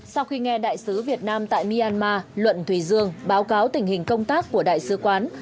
sau khi nghe đại sứ việt nam tại myanmar luận thùy dương báo cáo tình hình công tác của đại sứ quán